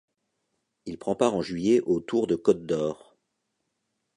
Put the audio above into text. Il prend part en juillet au Tour de Côte-d'Or.